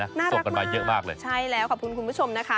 ส่งกันมาเยอะมากเลยใช่แล้วขอบคุณคุณผู้ชมนะคะ